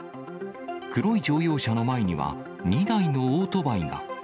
黒い乗用車の前には、２台のオートバイが。